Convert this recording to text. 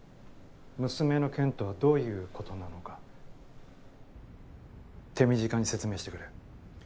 娘の件とはどういうことなのか手短に説明してくれ。